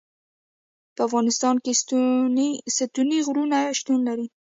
په افغانستان کې ستوني غرونه شتون لري.